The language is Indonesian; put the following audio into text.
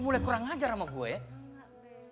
lu mulai kurang ngajar sama gue ya